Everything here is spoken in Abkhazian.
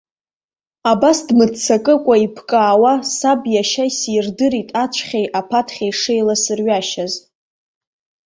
Абас дмыццакыкәа, иԥкаауа, саб иашьа исирдырит ацәхьеи аԥаҭхьи шеиласырҩашьаз.